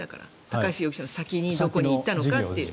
高橋容疑者の先にどこに行ったのかという。